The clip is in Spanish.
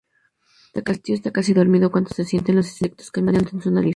El tío está casi dormido cuando se siente los insectos caminando en su nariz.